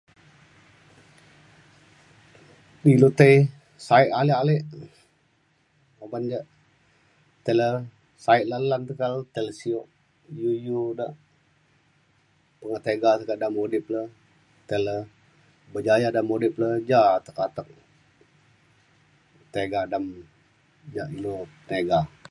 ilu tei saik ale ale uban ja ke le saik lalem [unintelligible] sio iu iu da pengetiga teka da mudip le te le berjaya dalem mudip le ja atek atek tiga dem ja inu tiga